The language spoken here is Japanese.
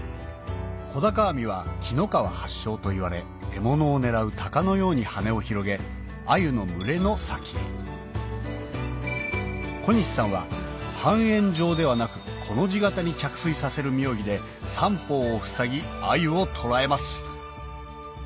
小鷹網は紀の川発祥といわれ獲物を狙う鷹のように羽を広げ鮎の群れの先へ小西さんは半円状ではなくコの字形に着水させる妙技で三方をふさぎ鮎を捕らえます